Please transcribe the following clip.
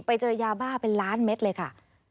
ไปเจอยาบ้าเป็นล้านเม็ดเลยค่ะ